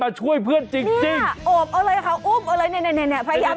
มาช่วยเพื่อนจริงโอบเอาเลยเขาอุ้มเอาเลยเนี่ยพยายาม